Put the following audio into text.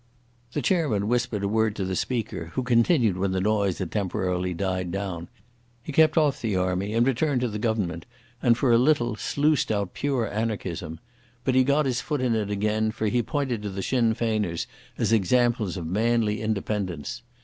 The chairman whispered a word to the speaker, who continued when the noise had temporarily died down. He kept off the army and returned to the Government, and for a little sluiced out pure anarchism. But he got his foot in it again, for he pointed to the Sinn Feiners as examples of manly independence.